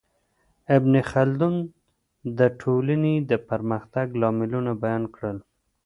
ابن خلدون د ټولنې د پرمختګ لاملونه بیان کړل.